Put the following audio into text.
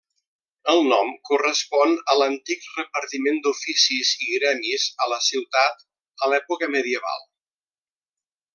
El nom correspon a l'antic repartiment d'oficis i gremis a la ciutat a l'època medieval.